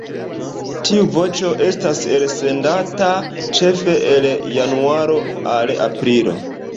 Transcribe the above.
Tiu voĉo estas elsendata ĉefe el januaro al aprilo.